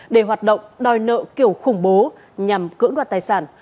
để hoạt động đòi nợ kiểu khủng bố nhằm cưỡng đoạt tài sản